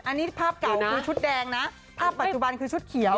อันนี้ภาพเก่าคือชุดแดงนะภาพปัจจุบันคือชุดเขียว